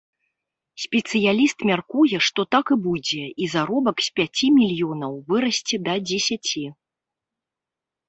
Спецыяліст мяркуе, што так і будзе, і заробак з пяці мільёнаў вырасце да дзесяці.